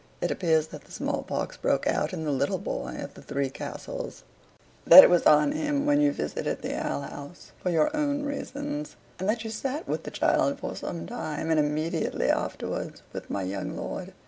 It appears that the small pox broke out in the little boy at the 'Three Castles;' that it was on him when you visited the ale house, for your OWN reasons; and that you sat with the child for some time, and immediately afterwards with my young lord."